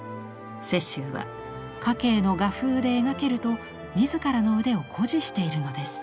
雪舟は夏珪の画風で描けると自らの腕を誇示しているのです。